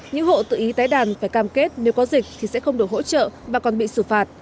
những hộ tự ý tái đàn phải cam kết nếu có dịch thì sẽ không được hỗ trợ và còn bị xử phạt